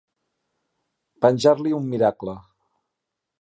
Penjar-li un miracle.